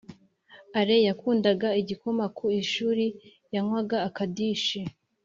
ale yakunda igikoma ku ishuri yanywaga akadishi